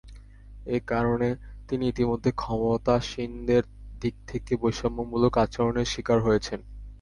এ কারণে তিনি ইতিমধ্যে ক্ষমতাসীনদের দিক থেকে বৈষম্যমূলক আচরণের শিকার হয়েছেন।